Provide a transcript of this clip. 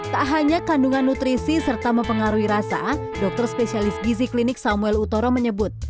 tak hanya kandungan nutrisi serta mempengaruhi rasa dokter spesialis gizi klinik samuel utoro menyebut